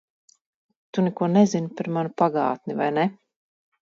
Tu neko nezini par manu pagātni, vai ne?